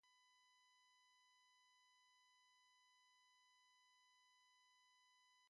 A creature can take this damage only once per turn.